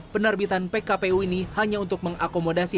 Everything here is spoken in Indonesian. penerbitan pkpu ini hanya untuk mengakomodasi